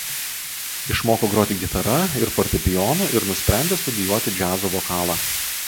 Išmoko groti gitara ir fortepijonu ir nusprendė studijuoti džiazo vokalą.